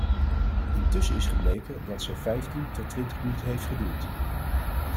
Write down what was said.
Intussen is gebleken dat ze vijftien tot twintig minuten heeft geduurd.